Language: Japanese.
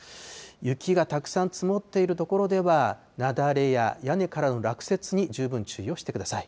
雪がたくさん積もっている所では、雪崩や屋根からの落雪に十分注意をしてください。